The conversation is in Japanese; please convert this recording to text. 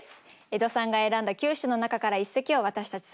江戸さんが選んだ９首の中から一席を私たち３人で予想します。